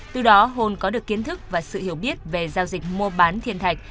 từ đó hồn có được kiến thức và sự hiểu biết về giao dịch mua bán thiên thạch